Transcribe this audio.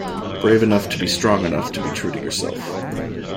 Brave enough to be strong enough to be true to yourself.